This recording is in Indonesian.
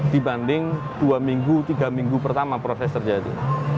dibanding dua minggu tiga minggu pertama proses terjadi